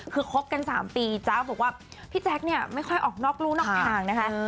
คือคบกัน๓ปีจ๊ะบอกว่าพี่แจ๊คเนี่ยไม่ค่อยออกนอกรู่นอกทางนะคะ